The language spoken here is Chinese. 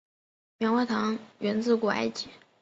棉花糖源自古埃及。